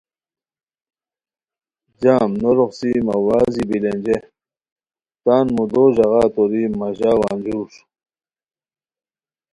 جام نو روخڅی مہ وارزی بیلینجے تان مودو ژاغا توری مہ ژاؤ انجور